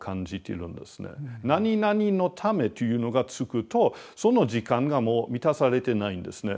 「何々のため」というのが付くとその時間がもう満たされてないんですね。